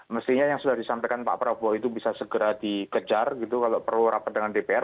mestinya yang sudah disampaikan pak prabowo itu bisa segera dikejar gitu kalau perlu rapat dengan dpr